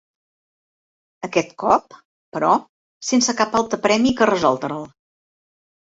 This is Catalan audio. Aquest cop, però, sense cap altre premi que resoldre'l.